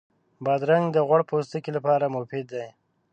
بادرنګ د غوړ پوستکي لپاره مفید دی.